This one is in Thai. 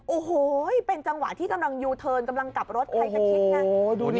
โอ้โหเป็นจังหวะที่กำลังยูเทิร์นกำลังกลับรถใครจะคิดไง